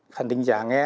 khẳng định giả nghe